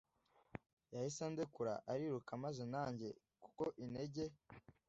Yahise andekura ariruka maze nanjye kuko intege